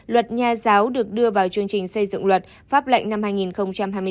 luật nhà giáo được đưa vào chương trình xây dựng luật pháp lệnh năm hai nghìn hai mươi bốn